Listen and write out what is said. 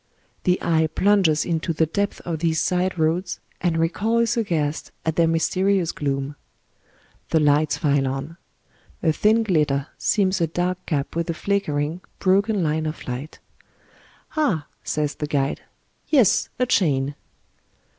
The eye plunges into the depths of these side roads, and recoils aghast at their mysterious gloom. The lights file on. A thin glitter seams a dark gap with a flickering, broken line of light " Ah," says the guide. " Yes, a chain